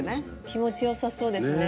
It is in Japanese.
気持ちよさそうですね。